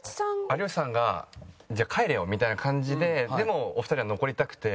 有吉さんが「じゃあ帰れよ」みたいな感じででもお二人は残りたくて。